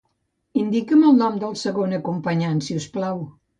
Indica'm el nom del segon acompanyant, si us plau.